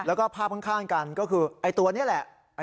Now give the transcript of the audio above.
แล้วก็ภาพข้างกันก็คือไอ้ตัวนี้แหละ